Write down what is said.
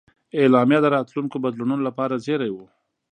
اعلامیه د راتلونکو بدلونونو لپاره زېری و.